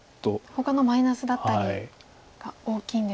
ほかのマイナスだったりが大きいんですか。